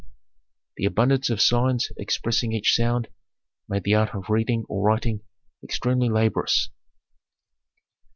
The abundance of signs expressing each sound made the art of reading or writing extremely laborious.